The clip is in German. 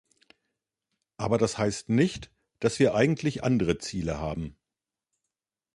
Aber das heißt nicht, dass wir eigentlich andere Ziele haben.